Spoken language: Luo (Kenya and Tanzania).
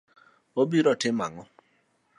Obiro timo nang'o?